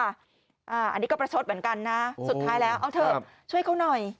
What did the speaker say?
อันนี้ก็ประชดเหมือนกันนะสุดท้ายแล้วเอาเถอะช่วยเขาหน่อย